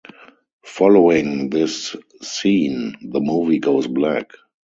Following this scene, the movie goes black.